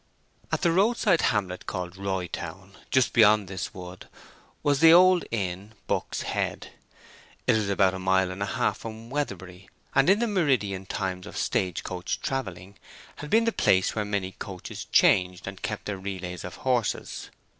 At the roadside hamlet called Roy Town, just beyond this wood, was the old inn Buck's Head. It was about a mile and a half from Weatherbury, and in the meridian times of stage coach travelling had been the place where many coaches changed and kept their relays of horses.